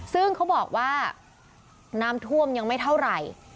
ซึ่งเขาบอกว่าน้ำท่วมยังไม่เท่าไหร่